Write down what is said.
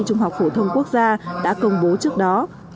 trung học phổ thông quốc gia đã công bố trước đó